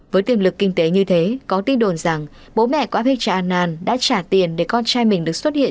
với tiêm lực kinh tế như thế có tin đồn rằng bố mẹ của abhijit anand đã trả tiền để con trai mình được xuất hiện